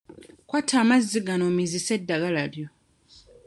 Kwata amazzi gano omizise eddagala lyo.